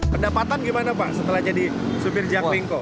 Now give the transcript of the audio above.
pendapatan gimana pak setelah jadi supir jaklingko